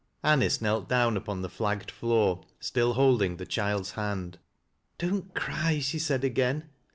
Anice knelt down upon the flagged floor, still holding iiie child's hand. " Don't cry," she said again.